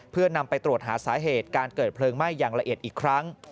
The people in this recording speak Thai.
เพื่อนำไปตรวจหาสาเหตุการเกิดเพลิงไหม้อย่างละเอียดอีกครั้ง